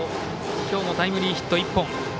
今日もタイムリーヒット１本。